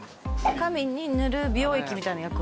髪に塗る美容液みたいな役割。